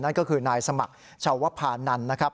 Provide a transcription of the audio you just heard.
นั่นก็คือนายสมัครชาวพานันนะครับ